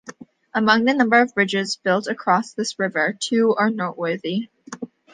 Among the number of bridges built across this river, two are noteworthy.